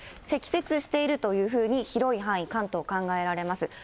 積雪しているというふうに広い範囲、関東、考えられます。